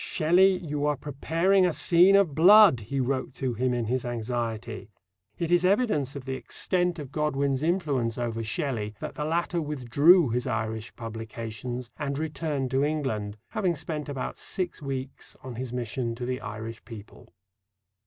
"Shelley, you are preparing a scene of blood!" he wrote to him in his anxiety. It is evidence of the extent of Godwin's influence over Shelley that the latter withdrew his Irish publications and returned to England, having spent about six weeks on his mission to the Irish people.